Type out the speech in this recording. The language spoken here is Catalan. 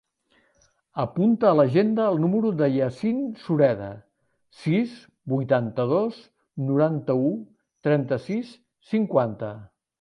Apunta a l'agenda el número del Yassine Sureda: sis, vuitanta-dos, noranta-u, trenta-sis, cinquanta.